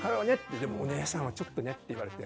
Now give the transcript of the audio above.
でも、お姉さんはちょっとねと言われて。